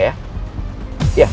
iya baik terima kasih